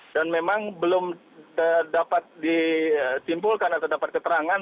dan memang belum dapat disimpulkan atau dapat keterangan